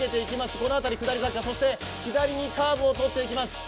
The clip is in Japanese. この辺り下り坂、そして左にカーブをとっていきます。